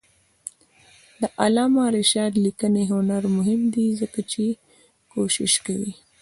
د علامه رشاد لیکنی هنر مهم دی ځکه چې کوشش کوي.